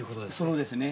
そうですね。